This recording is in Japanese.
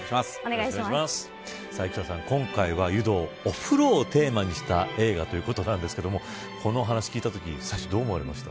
今回は、湯道お風呂をテーマにした映画ということなんですけどこのお話聞いたとき最初どう思われました。